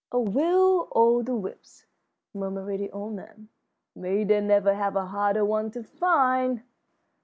"A will o' the wisp," murmured the old man; "may they never have a harder one to find!"